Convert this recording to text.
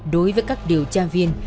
đối với các điều tra viên